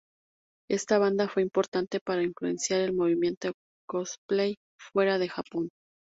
Esta banda fue importante para influenciar el movimiento cosplay fuera de Japón.